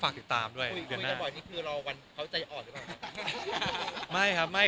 แต่ล่าสดเป็นมันไม่ควรไปจับผิด